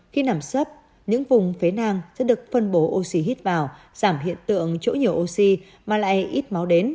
khi nằm sấp những vùng phế nang sẽ được phân bố oxy hít máu